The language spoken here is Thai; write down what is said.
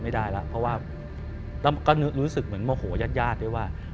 ไม่ได้แล้วเพราะว่าแล้วก็รู้สึกเหมือนโมโหยาดเลยว่า